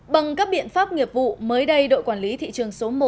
bằng các biện pháp nghiệp vụ mới đây đội quản lý thị trường số một